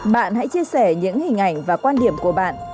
bạn hãy chia sẻ những hình ảnh và quan điểm của bạn